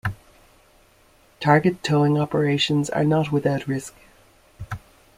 Target towing operations are not without risk.